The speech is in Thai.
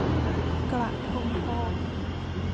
กระทงทอง